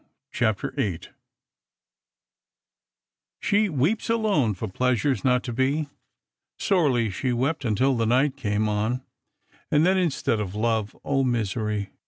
CHAPTER VIIL " She weeps alone for pleasures not to be ; Sorely she wept until the night came on, And then, instead of love, misery